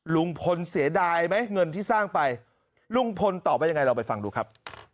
ลุงพลเสียดายไหมเงินที่สร้างไปลุงพลตอบว่ายังไงเราไปฟังดูครับ